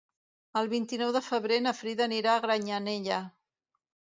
El vint-i-nou de febrer na Frida anirà a Granyanella.